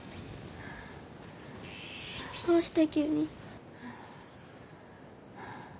どうして急に。